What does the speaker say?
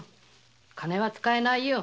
金は使えないよ。